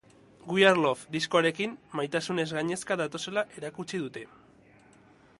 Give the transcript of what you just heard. We are love diskoarekin, maitasunez gainezka datozela erakutsi dute.